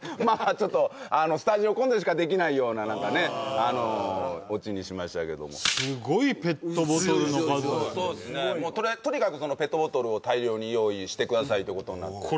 まあちょっとスタジオコントでしかできないような何かねオチにしましたけどもすごいペットボトルの数とにかくペットボトルを大量に用意してくださいってことになり